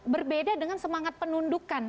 berbeda dengan semangat penundukan